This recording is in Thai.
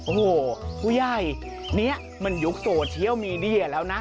โอ้โหผู้ใหญ่นี่มันยุคโซเชียลมีเดียแล้วนะ